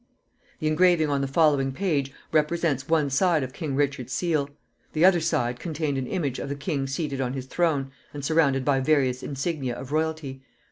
The engraving on the following page represents one side of king Richard's seal. The other side contained an image of the king seated on his throne, and surrounded by various insignia of royalty.